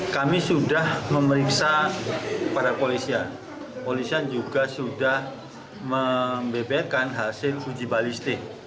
kami sudah memeriksa para polisian polisian juga sudah membeberkan hasil uji balistik